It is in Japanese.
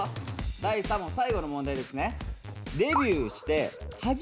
第３問最後の問題ですね。